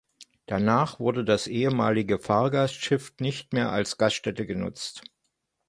Danach wurde das ehemalige Fahrgastschiff nicht mehr als Gaststätte genutzt.